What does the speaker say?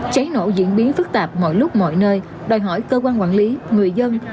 cháy nổ diễn biến phức tạp mọi lúc mọi nơi đòi hỏi cơ quan quản lý người dân